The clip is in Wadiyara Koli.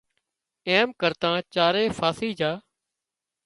ايم ڪرتان چارئي ڦاسي جھا